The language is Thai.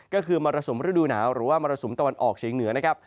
ก็คือมรสุมฤดูหนาวหรือว่ามรสุมตะวันออกเฉียงเหนือนะครับ